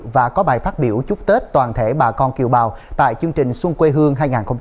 và có bài phát biểu chúc tết toàn thể bà con kiều bào tại chương trình xuân quê hương hai nghìn hai mươi bốn